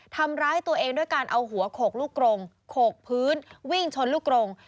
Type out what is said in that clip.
ทำร้ายตัวเองด้วยการเอาหัวโขกลูกกรงโขกพื้นวิ่งชนลูกกรง